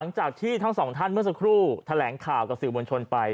หลังจากที่ทั้งสองท่านเมื่อสักครู่แถลงข่าวกับสื่อมวลชนไป